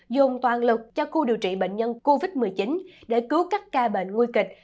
dùng toàn lực cho khu điều trị bệnh nhân covid một mươi chín để cứu các ca bệnh nguy kịch